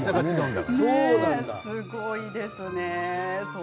すごいですね。